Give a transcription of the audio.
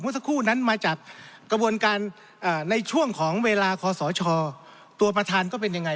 สักครู่นั้นมาจากกระบวนการในช่วงของเวลาคอสชตัวประธานก็เป็นยังไง